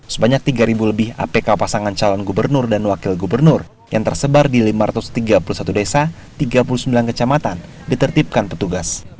sebanyak tiga lebih apk pasangan calon gubernur dan wakil gubernur yang tersebar di lima ratus tiga puluh satu desa tiga puluh sembilan kecamatan ditertipkan petugas